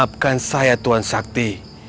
maafkan saya tuan sakti